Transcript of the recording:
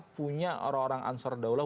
punya orang orang ansur daulah